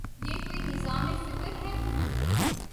یہ کوئی نظام فکر ہے۔